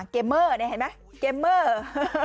เกมเมอร์ไหมเกมเมอร์